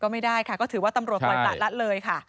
ไม่ได้ค่ะก็ถือว่าตำรวจมันหลัดละเลยค่ะ